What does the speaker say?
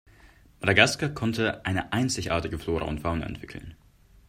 Madagaskar konnte eine einzigartige Flora und Fauna entwickeln.